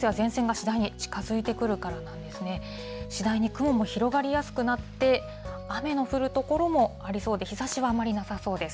次第に雲も広がりやすくなって、雨の降る所もありそうで、日ざしはあまりなさそうです。